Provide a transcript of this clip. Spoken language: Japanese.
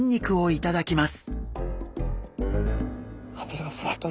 頂きます。